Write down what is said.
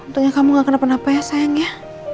untungnya kamu gak kena penapa ya sayang ya